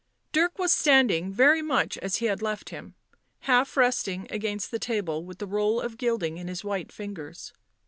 Dirk was standing very much as he had left him, half resting against the table with the roll of gilding in his white fingers.